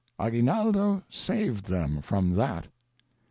Aguinaldo saved them from that.